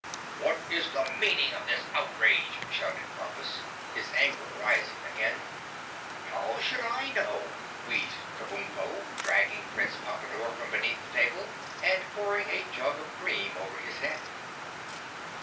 "What is the meaning of this outrage?" shouted Pompus, his anger rising again. "How should I know?" wheezed Kabumpo, dragging Prince Pompadore from beneath the table and pouring a jug of cream over his head.